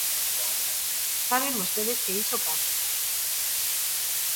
Saben vostedes que iso pasa.